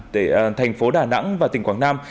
thành phố đà nẵng và tỉnh quảng nam